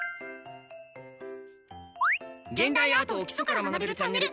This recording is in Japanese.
「現代アートを基礎から学べるチャンネル」